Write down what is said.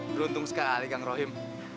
beruntung sekali kang rohim